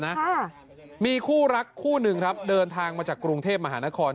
ค่ะมีคู่รักคู่หนึ่งครับเดินทางมาจากกรุงเทพมหานคร